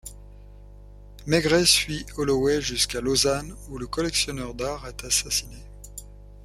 Maigret suit Holoway jusqu'à Lausanne, où le collectionneur d'art est assassiné.